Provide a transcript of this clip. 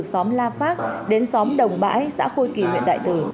từ xóm la pháp đến xóm đồng bãi xã khôi kỳ huyện đại từ